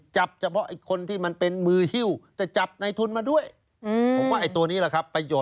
แบบจับเฉพาะคนที่มันเป็นมือโฮก